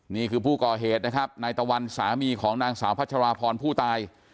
นี่คือผู้ก่อเหตุนะครับนายตะวันสามีของนางสาวพัชราพรผู้ตาย